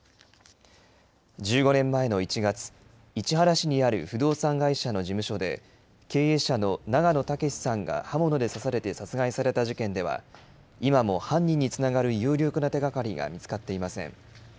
１５年前の１月、市原市にある不動産会社の事務所で、経営者の永野武さんが刃物で刺されて殺害された事件では、今も犯人につながる有力な手がかりが見つかっていません。